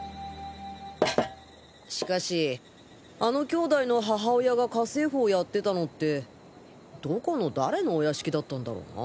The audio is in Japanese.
しかしあの兄弟の母親が家政婦をやってたのってどこの誰のお屋敷だったんだろうな？